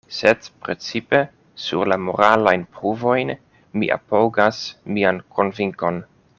Sed precipe sur la moralajn pruvojn mi apogas mian konvinkon.